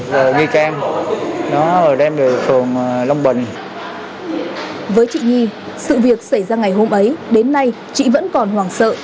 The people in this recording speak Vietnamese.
với chị nhi sự việc xảy ra ngày hôm ấy đến nay chị vẫn còn hoảng sợ